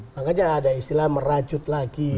makanya ada istilah merajut lagi